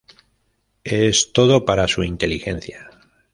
Es todo para su inteligencia.